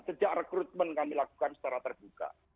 sejak rekrutmen kami lakukan secara terbuka